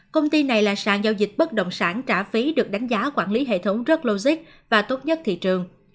công ty này là sàn giao dịch bất động sản trả phí được đánh giá quản lý hệ thống rất logic và tốt nhất thị trường